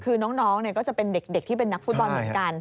คือน้องก็จะเป็นเด็กที่เป็นนักฟุตบอลเหมือนกัน